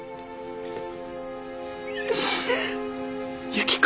雪子